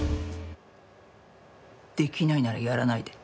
できないならやらないで。